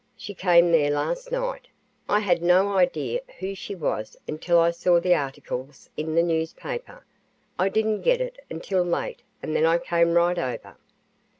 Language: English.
She came there last night. I had no idea who she was until I saw the articles in the newspaper I didn't get it until late and then I came right over."